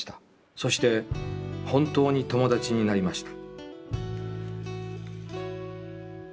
そして、本当に友達になりました」。